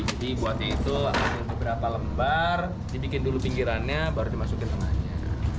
jadi buat itu ada beberapa lembar dibikin dulu pinggirannya baru dimasukin ke tengahnya